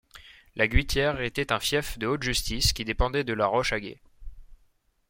La Guittière était un fief de haute justice qui dépendait de La Roche-Aguet.